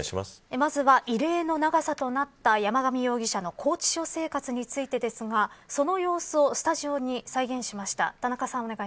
まずは異例の長さとなった山上容疑者の拘置所生活についてですがその様子をスタジオに再現しました。